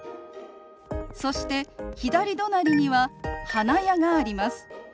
そして左隣には花屋があります。